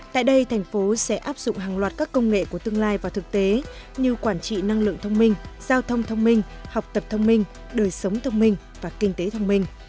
tại đây thành phố sẽ áp dụng hàng loạt các công nghệ của tương lai và thực tế như quản trị năng lượng thông minh giao thông thông minh học tập thông minh đời sống thông minh và kinh tế thông minh